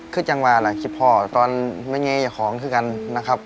คือจังหวานคิดพอตอนเมื่องี้อย่าของคือกันนะครับ